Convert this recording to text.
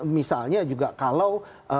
misalnya juga kalau